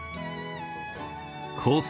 コース